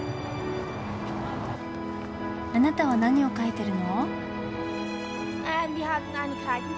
あなたは何を描いてるの？